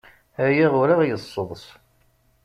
Aya ur aɣ-yesseḍs.